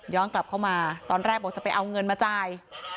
กลับเข้ามาตอนแรกบอกจะไปเอาเงินมาจ่าย